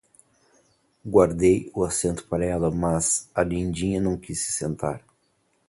Guardei o assento para ela, mas a lindinha não quis se sentar.